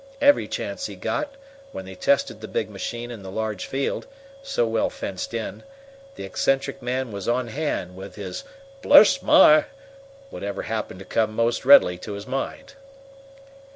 Every chance he got, when they tested the big machine in the large field, so well fenced in, the eccentric man was on hand, with his "bless my !" whatever happened to come most readily to his mind.